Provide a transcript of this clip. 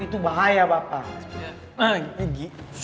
itu bahaya bapak